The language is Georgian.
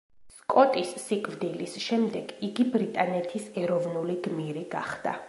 სკოტის სიკვდილის შემდეგ იგი ბრიტანეთის ეროვნული გმირი გახდა.